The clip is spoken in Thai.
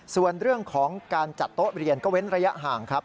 ส่วนเรื่องของการจัดโต๊ะเรียนก็เว้นระยะห่างครับ